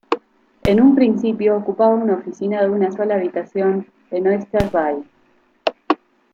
En un principio ocupaba una oficina de una sola habitación en Oyster Bay.